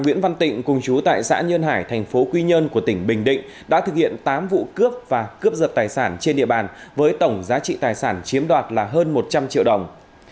nguyễn văn tịnh cùng chú tại xã nhân hải thành phố quy nhơn của tỉnh bình định đã thực hiện tám vụ cướp và cướp giật tài sản trên địa bàn với tổng giá trị tài sản chiếm đoạt là hơn một trăm linh triệu đồng